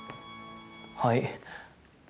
はい。